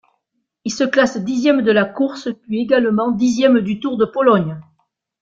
Il se classe dixième de la course, puis également dixième du Tour de Pologne.